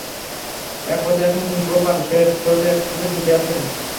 একতা এবং গোপাল শেষ পর্যন্ত এক সাথে ফিরে আসেন।